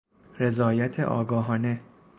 رضایت آگاهانه